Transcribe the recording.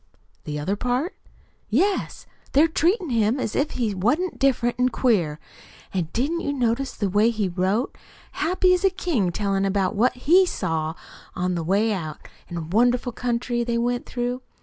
"The other part!" "Yes. They're treatin' him as if he wa'n't different an' queer. An' didn't you notice the way he wrote? Happy as a king tellin' about what he SAW on the way out, an' the wonderful country they went through.